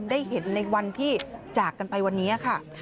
ได้เห็นในวันที่จากกันไปวันนี้ค่ะ